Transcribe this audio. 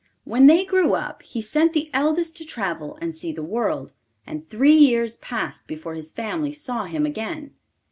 When they grew up, he sent the eldest to travel and see the world, and three years passed before his family saw him again.